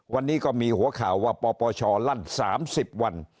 วันนี้ก็มีหัวข่าวว่าปปชลั่น๓๐วัน